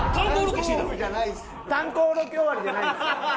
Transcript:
炭鉱ロケ終わりじゃないんですよ。